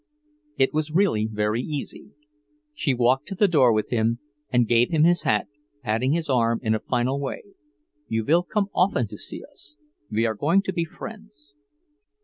It was really very easy. She walked to the door with him and gave him his hat, patting his arm in a final way. "You will come often to see us. We are going to be friends."